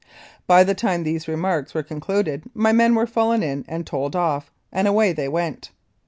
By the time these remarks were concluded my men were fallen in and told off, and away they went.